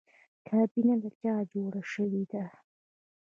کابینه له چا جوړه شوې ده؟